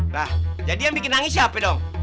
nah jadi yang bikin nangis siapa dong